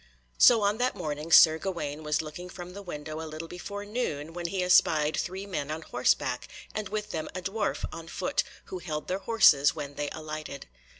So on that morning Sir Gawaine was looking from the window a little before noon when he espied three men on horseback, and with them a dwarf on foot, who held their horses when they alighted.